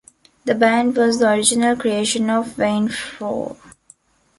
The band was the original creation of Wayne Fromm.